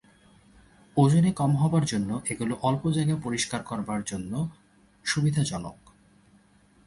ওজনে কম হবার জন্য এগুলো অল্প জায়গা পরিষ্কার করবার জন্য সুবিধা জনক।